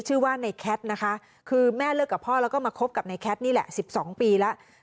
ชื่อว่าในแคทนะคะคือแม่เลิกกับพ่อแล้วก็มาคบกับในแคทนี่แหละ๑๒ปีแล้ว